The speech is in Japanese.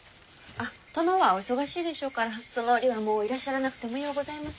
あっ殿はお忙しいでしょうからその折はもういらっしゃらなくてもようございます。